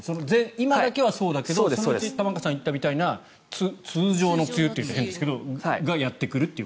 今だけはそうだけどそのうち玉川さんが言ったみたいな通常の梅雨というと変ですけどやってくると。